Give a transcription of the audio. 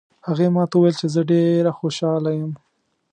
هغې ما ته وویل چې زه ډېره خوشحاله یم